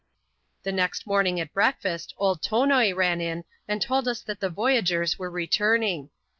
The next morning at breakfast^ old Tonoi ran in, and told as that the voyagers were returning.